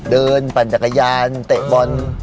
ปั่นจักรยานเตะบอล